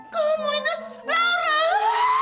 kau mau itu raraaa